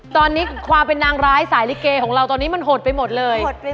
ตอนนี้ความเป็นนางร้ายสายลิเกของเราตอนนี้มันหดไปหมดเลย